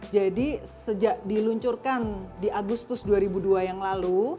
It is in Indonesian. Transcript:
jadi sejak diluncurkan di agustus dua ribu dua yang lalu